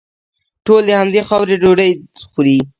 ټول د همدې خاورې ډوډۍ خوري.